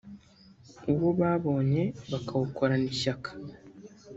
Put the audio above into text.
uwo babonye bakawukorana ishyaka